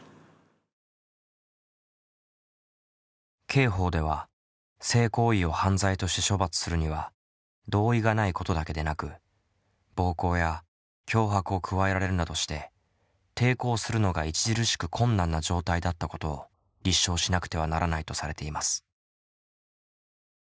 刑法では性行為を犯罪として処罰するには同意がないことだけでなく暴行や脅迫を加えられるなどして抵抗するのが著しく困難な状態だったことを立証しなくてはならないとされています。